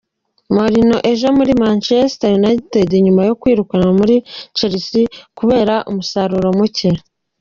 Mourinho aje muri Manchester United nyuma yo kwirukanwa muri Chelsea kubera umusaruro muke.